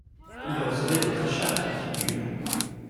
Ils recevaient des crachats à la figure.